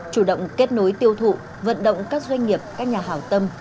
chủ động kết nối tiêu thụ vận động các doanh nghiệp các nhà hào tâm